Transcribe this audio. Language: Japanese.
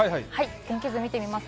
天気図を見てみます。